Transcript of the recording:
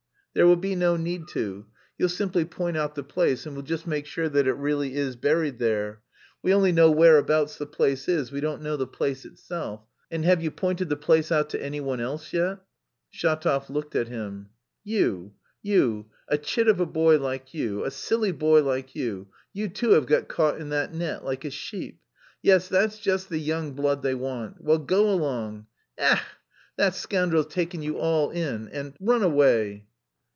"There will be no need to. You'll simply point out the place and we'll just make sure that it really is buried there. We only know whereabouts the place is, we don't know the place itself. And have you pointed the place out to anyone else yet?" Shatov looked at him. "You, you, a chit of a boy like you, a silly boy like you, you too have got caught in that net like a sheep? Yes, that's just the young blood they want! Well, go along. E ech! that scoundrel's taken you all in and run away."